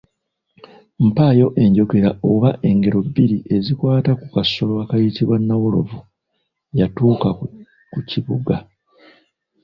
Mpaayo enjogera oba engero bbiri ezikwata ku kasolo akayitibwa nawolovu yatuuka ku kibuga.